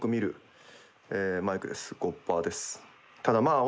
ただまあ